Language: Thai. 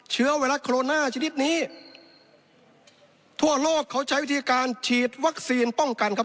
เชื้อไวรัสโคโรนาชนิดนี้ทั่วโลกเขาใช้วิธีการฉีดวัคซีนป้องกันครับ